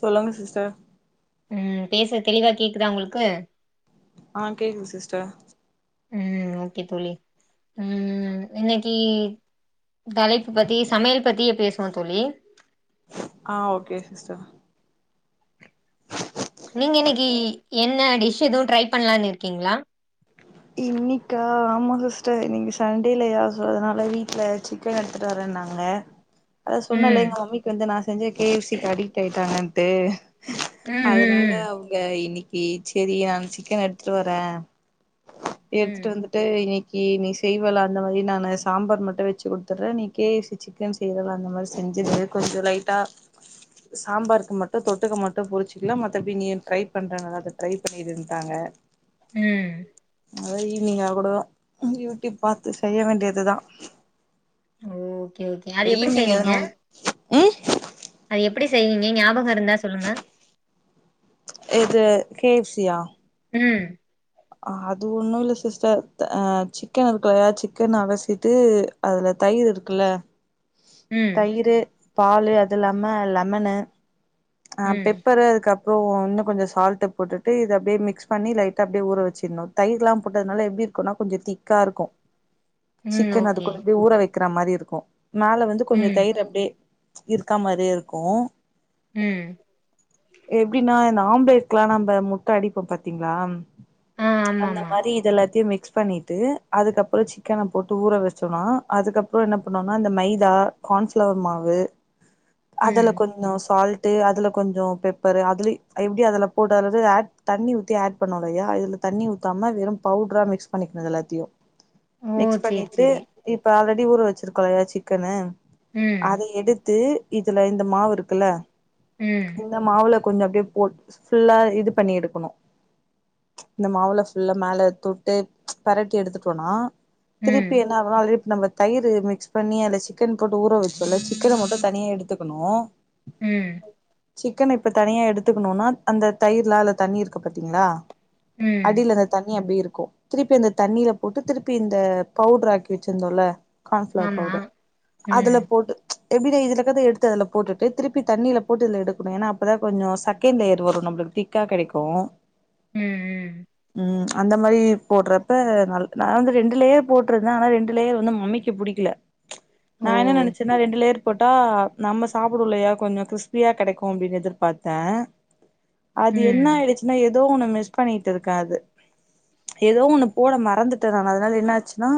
சொல்லுங்க சிஸ்டர் ம் பேசுறது தெளிவா கேக்குதா உங்களுக்கு ஆ கேக்குது சிஸ்டர் ம் ஓகே தோழி ம் இன்னைக்கி தலைப்பு பத்தி சமையல் பத்தியே பேசுவோ தோழி ஆ ஓகே சிஸ்டர் நீங்க இன்னைக்கி என்ன டிஷ் ஏதுவு ட்ரை பண்ணலான்னு இருக்கீங்ளா இன்னைக்கா ஆமா சிஸ்டர் இன்னிக் சண்டேலயா சோ அதனால வீட்ல சிக்கன் எடுத்துட்டு வரே ன்னாங்க அத சொன்னல ம் எங்க மம்மிக்கு வந்து நா செஞ்ச கே எஃப் சி க்கி அடிக்ட்டாயிட்டாங்கன்ட்டு ம் அதனால ம் அவுங்க இன்னைக்கி சேரி நா சிக்கன் எடுத்துட்டு வரே ம் ம் எடுத்துட்டு வந்துட்டு இன்னிக் கி நீ செய்வல அந்த மாதிரி நா நா சாம்பார் மட்டு வச்சு குடுத்துர்றே நீ கே எப் சி சிக்கன் செய்வல்ல அந்த மாதிரி செஞ் ஞிரு கொஞ்சோ லைட்டா சாம்பாருக்கு மட்டு தொட்டுக்க மட்டும் பொரிச்சுக்கலா மத்தபடி நீ ட்ரை பண்றங்க அதை ட்ரை பண்ணிறுன்ட்டாங்க அ அது ஈவி்னிங்கா கூட தா யூடியூப் பாத்து செய்ய வேண்டியதுதா ஓ ஓகே ஓகே இப்ப அது எப்பிடி ஈவினிங் செய்வீங்க எதுனா ம் எப்பிடி செய்வீங்க ஞாபகம் இருந்தா சொல்லுங்க எது கே எஃப் சியா ம் அது ஒண்ணுல்ல சிஸ்டர் அ சிக்கனுருக்குல சிக்கன் அலசிட்டு அதுல தயிர் இருக்குல்ல ம் தயிரு பாலு அது இல்லாம லெமன்னு ஆ ம் பெப்பரு அதுக்கப் றோ இன்னு கொஞ்ச சால்ட் போட்டு இது அடியே மிகஸ் பண்ணி லைட்டா அப்படியே ஊற வச்சிருணு தயிர்லா போட்டதுனால எப்படியு இருக்கும்னா கொஞ்ச திக்கா இருக்கு [inaudible] சிக்கன் அது ஓகே கூட அப்டியே ஊற வைக்கிற மாதிரி இருக்கு மேல வந்து கொஞ்ச ம் தயிர் அப்டியே இருக்கா மாரியே இருக்கு ம் எப்டின்னா இந்த ஆம்லேட்லா நம்ப முட்ட அடிப்போ. பாத்தீங்களா ஆ ஆமா அந்த ஆமா மாரி இது எல்லாத்தையு மிக் ஸ் பண்ணிட்டு அதுக்கப்பறோ சிக்கன போட்டு ஊற வச்சோன்னா அதுக்கப்பறோ என்ன பண்னுவோன்னா இந்த மைதா கார்ன்ஃப்லவர் மாவு ம் அதல கொஞ்ச சால் ட்டு அதுல கொஞ்ச பெப்பரு அதுல எப்டி அதுல போட்டு அதுல அட் தண்ணி ஊத்தி ஆட் பண்னுவோல்லையா இதுல தண்ணி ஊத்தாம வெறு பவுட்ரா மிக்ஸ் பண்ணிக்கணு இதுல எல்லாத்தையு ஓ மிக்ஸ் சேரி பண்ணிட்டு சேரி இப்ப ஆல்ரெடி ஊற வச்சிருக்கோல்லையா சிக்கனு ம் அத எடுத்து இதுல இந்த மாவு இருக்குல்ல ம் இந்த மாவுல கொஞ் அப்டே போட் ஃபுல்லா இது பண்ணி எடுக்கணு இந்த மாவுள ஃபுல்லா மேல தொட்டு பெரட்டி எடுத்துட்டோன்னா ம் திருப்பி என்ன அதனாலயே நம்ம தயிரு மிக்ஸ் பண்ணி அதுல சிக்கன் போட்டு ஊற வைப்போல்ல சிக்கன மட்டு தனியா எடுத்துக்கணு ம் சிக்கன் இப்ப தனியா எடுத்துக்கணுன்னா அந்த தயிர்லாம் அதுல தண்ணி இருக்கு பாத்தீங்களா ம் அடில அந்த தண்ணி அப்டே இருக் க்கு திருப்பி அந்த தண்ணில போட்டு திருப்பி இந்த பவுட்ர்ராக்கி வச்சிருந்தோல்ல கான்ஃளவர் ஆமா பவுடர் அதுல ம் போட்டு எப்டின்னா இதுலகர்த எடுத்து அதுல போட்டுட்டு திருப்பி தண்ணீல போட்டு இதுல எடுக்கணு ஏன்னா அப்பதா கொஞ்ச செகெண்ட் லேயர் வரு நம்ளுக்கு திக்கா கெடைக்கு ம் ம் ம் அந்த மாரி போடுறப்ப நா நா வந்து ரெண்டு லேயர் போட்டிருந்தே ஆனா ரெண்டு லேயர் வந்து மமிக்கு புடிக்கல ஓ நா என்ன நெனச்சேன்னா ரெண்டு லேயர் போட்டா நம்ம சாப்புடுவோ இல்லையா கொஞ்சம் கிரிஸ்ப் ப்பியா கெடைக்கு அப்டின்னு எதுர்பாத்தே அது என்ன ம் ஆயிடுச்சுன்னா எது தோ ஒண்ணு மிஸ் பண்ணிட்டுருக்கே அது ஏதோ ஒன்னு போட மறந்துட்டே நானு அதனால என்னாச்சுன்னா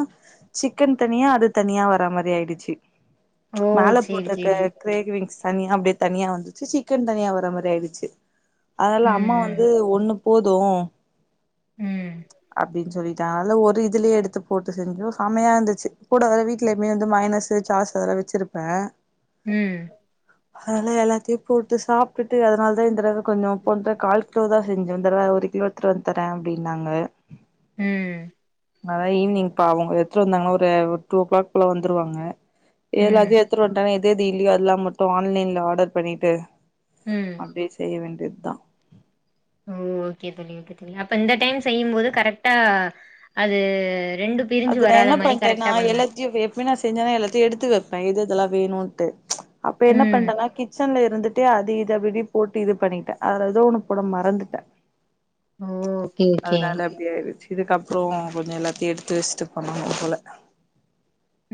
சிக்கன் தனியா அது தனியா வரா மாரி ஆயிடுச்சி ஓ மேல சேரி போட்ருக்க சேரி கிரேக் விங்ஸ் தனியா அப்டேத் தனியா வந்துச்சு சிக்கன் தனியா வர மாரி ஆயிடுச்சு அதனால அம்மா வந்து ம் ஒண்ணுப் போது ம் அப்டின்சொல்லி டால ஒரு இதுலேயே எடுத்து போட்டு செஞ்சோ செமையா இருந்துச்சு கூட வந்து வீட்ல எப்பயுமே வந்து மையோனசு சாஸ்ஸு அதல்லா வச்சிருப்பே ம் அதனால எல்லாத்தையு போட்டு சாப்ட்டுட்டு அதனால தா இந்த தடவ கொஞ்ச போன தடவ கால் கிலோ தா செஞ்சோ இந்த தடவ ஒரு கிலோ எடுத்துட்டு வந்தர அப்டின்னாங்க ம் அதா ஈவினிங் பாவ அவுங்க எடுத்துட்டு வந்தாங்கன்னா ஒரு டூ ஓ கிளாக் போல வந்துருவாங்க ம் ஏல்லாத்தையு எடுத்துட் வன்ட்டே எது எது இல்லியோ அதெல்லா மட்டு ஆன்லைன்ல ஆடர் பண்ணிட்டு ம். அப்டியே செய்ய வேண்டியத்தா ஓ ஓகே தோழி ஓகே தோழி அப்ப இந்த டைம் செய்யும் போது கரெக்டா அது ரெண்டு பிரிஞ்சு அது நா வராத என்ன மாரி பண்ட்டேன்னா கரெக்டா பண்ணுங்க எல்லத்தையு எப்பியு நா செஞ்சனா எல்லாத்தையு எடுத்து வைப் பே எது எதெல்லா வேணுன்ட்டு அப்ப என்ன ம் பண்டன்னா கிச்சன்ல இரு மறந்துட்டே அது இத அப்டி அப்டி போட்டு இது பண்ணிட்டே அதல ஏதோ ஒன்னு போட மறந்துட்டே ஓ ஓகே ஓகே அதனால அப்டியாயிருச்சு இதுக்கப்றோ கொஞ்ச எல்லாத்தையு எடுத்து வஷ்ட்டு பண்ணனு போல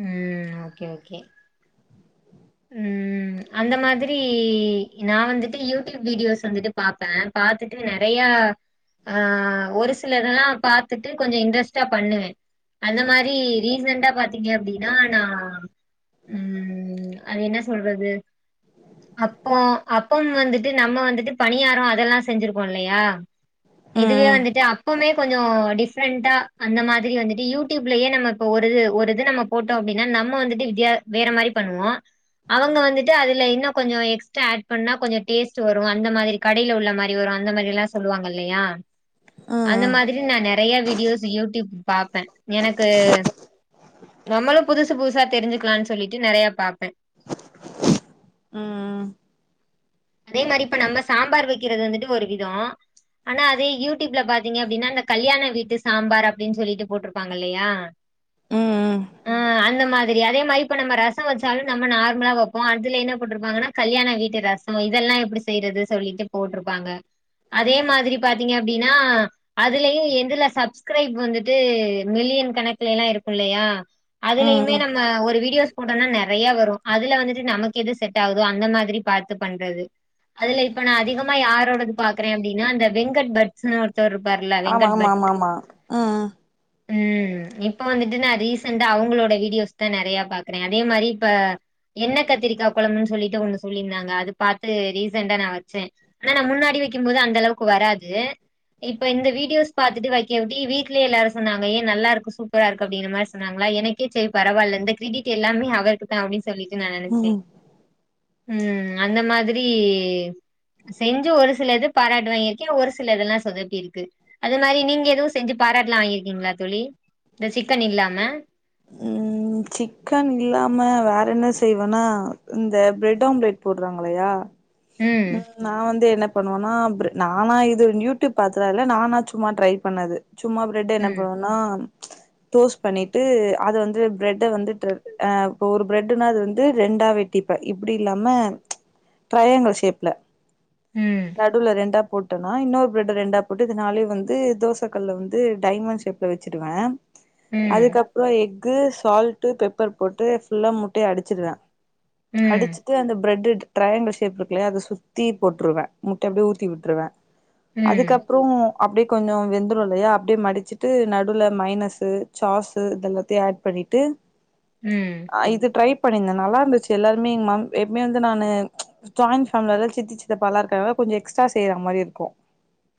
ம் ஓகே ஓகே ம் அந்த மாதிரி நா வந்துட்டு யூடியூப் வீடியோஸ் வந்துட்டு பாப்பே பாத்து ட்டு நெறையா ஆ ஒரு சிலதெல்லா பாத்துட்டு கொஞ்ச இன்ட்ரெஸ்டா பண்ணுவே அந்த மாரி ரீசண்டா பாத் த்தீங்க அப்டின்னா நா ம் அது என்ன சொல்றது அப்போ அப்பம் வந்துட்டு நம்ம வந்துட்டு பணியாரோ அதெல்லா செஞ்சிருப்போல்லயா இதுவே ம் வந்துட்டு அப்பமே கொஞ்சோ டிஃப்ரெண்ட்டா அந்த மாதிரி வந்துட்டு யூடியூப்லயே நம்ம இப்ப ஒரு ஒரு து நம்ம போட்டோ அப்டின்னா நம்மோ வந்துட்டு வித்யா வேற மாறி பண்ணுவோ அவுங்க வந்துட்டு அதுல இன்னும் கொஞ்சோ எக்ஸ்ட்ரா ஆட் பண்ணா கொஞ்ச டேஸ்ட்டு வரு அந்த மாதிரி கடைல உள்ள மாறி வரு அந்த மாறில்லா சொல்வாங்க இல்லயா அந்த ம் மாதிரி நா நெறய வீடியோஸ் யூடியூப் பாப்பே எனக்கு நம்மளு புதுசு புதுசா தெரிஞ்சுக்கலான் சொல்லிட்டு நெறய பாப்ப ம் ம் அதே மாறி இப்ப நம்ம சாம்பார் வெக்கிறது வந்துட்டு ஒரு விதோ ஆனா அதே யூடியூப்ல பாத்திங்க அப்டின்னா அந்த கல்யாண வீட்டு சாம்பார் அப்டின் சொல்லிட்டு போட்ருப்பாங்கல்லயா ம் ஆ அந்த மாற் அதே மாறி இப்ப நம்ம ரசோ வச்சாலு நம்ம நார்மலா வப்போ அதுல என்ன போட்ருப்பாங்கனா கல்யாண வீட்டு ரஸ் இதெல்லா எப்டி செய்றது சொல்லிட்டு போட்ருப்பாங்க அதே மாதிரி பாத்திங்க அப்டின்னா அதுலயு எதுல சப்ஸ்க்ரைப் வந்துட்டூ மில்லி யன் கணக்குலல்லா இருக்கு இல்லையா அதுலயுமே ம் நம்ம ஒரு வீடியோஸ் போட்டோம்னா நெறய வரு அதுல வந்துட்டு நமக்கு எது செட் ஆகுதோ அந்த மாதிரி பாத்து பண்றது அதுல இப்ப நா அதிகமா யாரோடது பாக்குறே அப்டின்னா அந்த வெங்கட் பட்ஸ்னு ஒர் த்தர் இர்ப்பார்ல ஆமா வெங்கட் ஆமா பட் ஆமா ஆமா ம் ம் இப்ப வந்துட்டு நா ரீசண்ட்டா அவங்ளோட வீடியோஸ் தா நெறய பாக்குற அதே மாறி இப்ப என்ன கத்திரிக்கா கொழம்புன் சொல்லிட்டு ஒண்ணு சொல்லிர்ந்தாங்க பாத்து ரீசன்ட்டா நா வச்சே ஆனா நா முன்னாடி வக்கிம்போது அந்த அளவுக்கு வராது இப்ப இந்த வீடியோஸ் பாத்துட்டு வைக்க உட்டி வீட்லயே எல்லாரு சொன்னாங்க ஏ நல்லாருக்கு சூப்பரா இருக்கு அப்டிங்ற மார் சொன்னாங்ளா எனக்கே சேரி பரவால்ல இந்த க்ரிடிட் எல்லாமே அவருக்குதா அப்டின் சொ சொல்லிட்டு நா நெனச்சே ம் ம் அந்த மாதிரி செஞ்சி ஒரு சிலது பாராட்டு வாங்கிருக்கே ஒரு சிலதெல்லா சொதப்பிருக்கு அது மாறி நீங்க எதுவு செஞ்சி பா ராட்லா வாங்கிருக்கிங்ளா தோழி இந்த சிக்கன் இல்லாம ம் சிக்கன் இல்லாம வேற என்ன செய்வேனா இந்த ப்ரெட் ஆம்லெட் போட்றாங்ளையா ம் நா வந்து என்னப் பண்ணுவனா அவுரு நானா இது யூடியூப் பாத்துலா இல்ல நானா சும்மா ட்ரைப் பண்ணது சும்மா பிரெட்ட என்ன ம் பண்ணுவன்னா டோஸ்ட் பண்ணிட்டு அது வந்து ப்ரெட்ட வந்துட்டு அ இப்ப ஒரு பிரெட்டுன்னா அது வந்து ரெண்டா வெட்டிப்ப இப்டி இல்லாம ட்ரயாங்கல் ஷேப்ல ம் நடுவுல ரெண்டா போட்டனா இன்னொரு ப்ரெட்ட ரெண்டாப் போட்டு இத நாலயு வந்து தோச கல்ல வந்து டைமண்ட் ஷேப்ல வெச்சிடுவே ம் அதுக்கப்றோ எக்கு சால்ட்டு பெப்பர் போட்டு ஃபுல்லா முட்டய அடிச்சிடுவே ம் அடிச்சிட்டு அந்த ப்ரெட்டு ட்ரயாங்கல் ஷேப் இருக்குல்லயா அத சுத்தி போட்ருவே முட்ட அப்டியே ஊத்தி விட்டுருவே ம் அதுக்கப்றோ அப்டே கொஞ்சோ வெந்துரோ இல்லயா அப்டியே மடிச்சிட்டு நடுவுல மைனஸ்ஸு சாஸ் உஇதெல்லாத்தியு ஆட் பண்ணிட்டு ம் அ இது ட்ரைப் பண்ணிந்த நல்லாருந்துச்சி எல்லாருமே எங் மாம் எப்மே அந்த நானு ஜாய்ன் ஃபாம்லி வேற சித்தி சித்தப்பாலாருக்க கொஞ்சோ எக்ஸ்ட்டா செய்ற மாறி இருக்கூ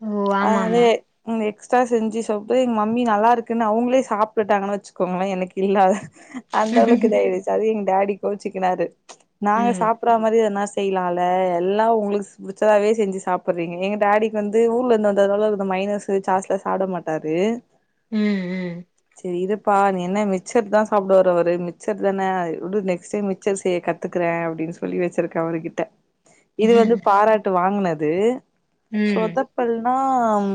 ஓ ஆமா அதனால ஆமா எக்ஸ்ட்டா செஞ்சி சாப்ட்டு எங் மம்மி நல்லாருக்குன்னு அவுங்ளே சாப் பிட்டாங்கன்னு வச்சுக்கோங்களே எனக்கு இல்லாத அந்த அளவுக்கு இதாய்டிச்சி அது எங் டாடி கோச்சிக்கினாரு நாங்க ம் சாப்பர்ற மாறி எதனா ஸ் செய்லால்ல எல்லா உங்ளுக் புடிச்சதாவே செஞ்சி சாப்புட்றிங்க எங் டாடிக் வந்து ஊர்லருந்து வந்ததால இந்த ம மைனஸ்ஸு சாஸ்லா சாப்ட மாட்டாரு ம் ம் செரி இருப்பா நீ என்ன மிக்ச்சர் தா சாப்டுவாரு மிக்ச்சர் தான உடு நெக்ஸ்ட் டைம் மிக்ச்சர் செய்ய கத்துக்றே ஆ அப்டின் சொல்லி வச்சுருக்க அவருகிட்ட இது வந்து பாராட்டு வாங்னது ம் சொதப்பல் ஆம்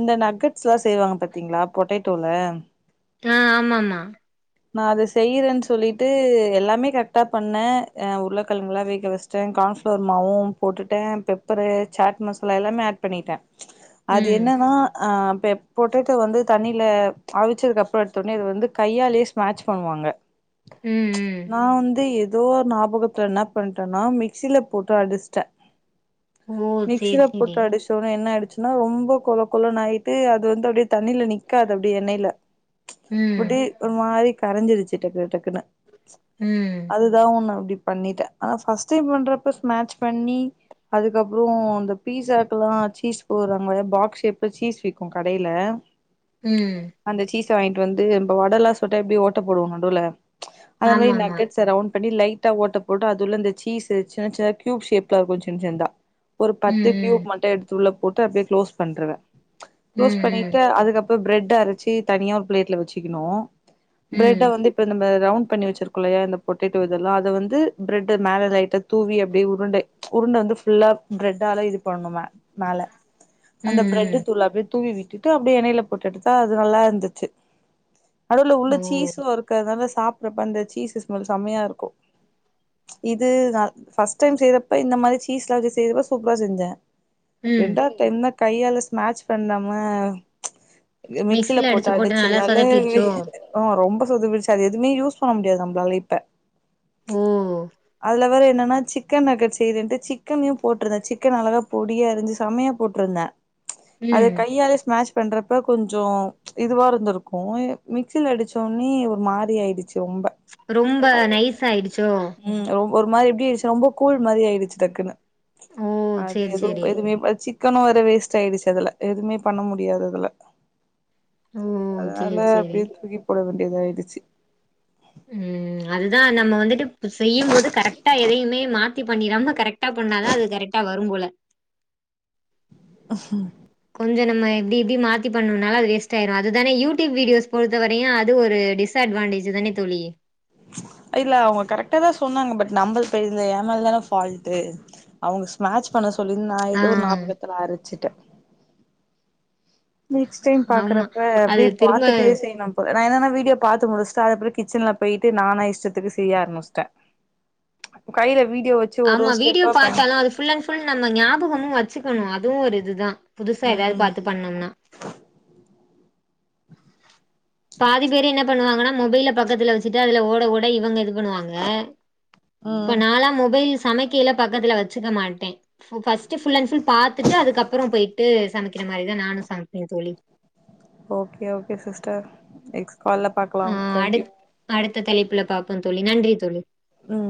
இந்த நகட்ஸ் எல்லா செய்வாங்க பாத்தீங்களா பொட்டேட்டோல ஆ ஆமாம்மா நா அத செய்யறேன்னு சொல்லிட்டு எல்லாமே கரெக்டா பண்ணே ஆ உருளகிழங்களா வேக வச்ட்டே கார்ன்ஃப்ளவர் மாவு போட்டுட்டே பெப்பரு சாட் மசாலா எல்லாமே ஆட் பண்ணிட்டே அது ம் என்னன்னா அ பெப் பொட்டேட்டோ வந்து தண்ணியில அவிச் சதுக்குப்புற எட்த்த உடனே இது வந்து கையால ஸ்மட்ச் பண்ணுவாங்க ம் ம் நா வந்து எது எதோ ஓ ஞாபகத்துல என்ன பண்ணிட்டேன்னா மிக்சியில போட்டு அடிச்சிட்டே ஓ மிக்சில சேரி சேரி போட்டு அடிச்சோன்னோ என்ன அடிச் னா ரொம்ப கொல கொலன்னு ஆயிட்டு அது வந்து அப்டியே தண்ணியில நிக்காது அப்டி எண்ணெயில ம் அப்டி ஒரு மாரி கரைஞ்சுடுச்சு டக்கு டக்குனு ம் அதுதா ஒன்னு அப்டி பண்ணிட்டே ஆனா ஃபஸ்ட் டைம் பண்றப்ப ஸ்நட்ச் பண்ணி அதுக்கப்புறோ இந்த பீஸாக்ல்லா சீஸ் போட்றாங்கால பாக்ஸ் ஷேப்ல சீஸ் விக்கு கடையில ம் சு வாங்கிட்டு வந்து நம்ம வடலா சுட்டா எப்டி ஓட்ட போடுவோ நடுவுல அத மாதிரி ஆமா ஆமா நகட்ஸ்ஸ ரவுண்ட் பண்ணி லைட்டா ஓட்ட போட்டு அது உள்ள இந்த சீஸ் சின்ன சின்ன கியூப் ஷேப்லா இருக்கு சின்ன சின்னதா ஒரு பத்து ம் கியூப் ம் மட்டு எடுத்துள்ள போட்டு அப்டியே க்ளோஸ் பண்றவே ம் க்ளோஸ் ம் பண்ணிட்டு அதுக்கப் பிரெட்ட அரைச்சு தனியா ஒரு பிளேட்ல வச்சுக்கணு பிரெட்ட ம் வந்து இப்ப நம்ம ரவுண்ட் பி வச்சிருக்கல்லையா இந்த பொட்டேட்டோ இதெல்லா அத வந்து பிரெட் மேல லைட்டா தூவி அப்டி உருண்டே உருண்டந் ந்து ஃபுல்லா பிரெட்டால இது பண்ணணும மேல அந்த பிரெட்டு ம் தூள அப்டியே தூவி விட்டுட்டு அப்டியே எண்ணையில போட்டு எடுத்தா அது நல்லா இருந் துச்சு ‌நடுவுல உள்ள ம் ஓ சீஸு இருக்கனால சாப்பறப்ப அந்த சீசஸ் ஸ்மல் செம்மையா இருக்கு இது நா ஃபர்ஸ்ட் டைம் செய்யறப்ப இந்த மாரி சீஸ் எல்லா வச்சு செய்யப்ப சூப்ரா செஞ்சே ம் ரெண்டாவது டைம் தா கையால ஸ்நாட்ச் பண்ணாம மிக்சில அடிச்சு போட்டு அடிச்ச நல்லா நால சொதப்பிருச்சோ [unintelligible] ரொம்ப‌ சொதப்பிடுச்சு அது எதுமே யூஸ் பண்ண முடியாது நம்மளால இப்ப ஓ அதுல வேற என்னன்னா சிக்கன் நகட்ஸ் செய்றேன்ட்டு சிக்கனையு போட்ருந்தே சிக்கன் அழகா பொடியா அரிஞ்சு செமையா போட்ருந்தே அது ம் கையாலே ஸ்மாஷ் பண்றப்ப கொஞ்ச இதுவா இருந்திருக்கு மிக்சியில அடிச்சோனே ஒரு மாரி ஆயிடுச்சு ரொம்ப ரொம்ப நைஸ்ஸா ஆயிடுச்சோ ம் ஒரு மாரி எப்டி ஆடுச்சு ரொம்ப கூழ் மாரி ஆயிடுச்சு டக்குன்னு ஓ அது சேரி எதுவ் சேரி எதுமே சிக் சிக்கனு வேற வேஸ்ட் ஆயிடுச்சு அதுல எதுவ்மே பண்ண முடியாது அதுல ஓ அதனால சேரி சேரி அப்டியே தூக்கி போட வேண்டியதாயிடுச்சு ம் அதுதா நம்ம வந்துட்டு செய்யும் போது கரெக்டா எதையுமே மாத் தி பண்ணிராம கரெக்டா பண்ணாதா அது கரெக்டா வரு போல ஆஹா கொஞ்ச நம்ம எப்டி எப்டி மாத்தி பண்ணுனால அது வேஸ்ட் ஆயிரு அதுதானே யூடியூப் வீடியோஸ் பொறுத்தவரையு அது ஒரு டிஸ்அட்வான்டேஜ் தானே தோழி இல்ல அவங்க கரெக்டா தா சொ சொன்னாங்க பட் நம்மல் இந்த ஏ மேல தான ஃபால்ட்டு அவங்க ஸ்மாட்ச் பண்ண சொல்லி நா ஆ எதோ ஒரு ஞாபகத்துல அரச்சுட்ட நெக்ஸ்ட் டைம் ஆமா பாக்குறப்ப அது அப்டியே திரும்ப பாத்துட்டே செய்யணுப்ப நா என்னனா வீடியோ பாத்து முடிச்ட்டு அதுகப்றோ கிச்சன்ல போய்ட்டு நானா இஷ்டத்துக்கு செய்ய ஆரம்மிஸ்ட்ட கைல வீட் ஆமா வீடியோ பாத்தாலு அது ஃபுல் அண்ட் ஃபுல் நம்ம ஞாபகமு வச்சுக்கனு அதுவு ஒரு இதுதா புதுசா ஏதாவது ம் பாத்து பண்ணம்னா பாதி பேர் என்ன பண்ணுவாங்கனா மொபைல பக்கத்துல வச்சிட்டு அதுல ஓட ஓட இவுங்க எதுக்கு பண்ணுவாங்க இப்ப ம் நாலா மொபைல்ஸ் சமைக்கயில பக்கத்துல வச்சுக்க மாட்டே ஃபோ ஃபஸ்ட் ஃபுல் அண்ட் ஃபுல் பாத்துட்டு அதுக்கப்புறோ போயிட்டு சமைக்கிற இந் மாரிதா நானு சாப்டே தோழி ஓகே ஓகே சிஸ்டர் நெக்ஸ் கால்ல பாக்கலா தேங்க் யூ த்த தலைப்புல பாப்போ தோழி நன்றி தோழி ம்